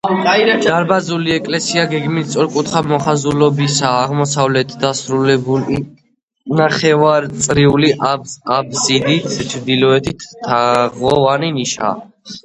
დარბაზული ეკლესია გეგმით სწორკუთხა მოხაზულობისაა, აღმოსავლეთით დასრულებული ნახევარწრიული აბსიდით, ჩრდილოეთით თაღოვანი ნიშაა.